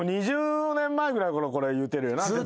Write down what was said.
２０年前ぐらいからこれ言うてるよな。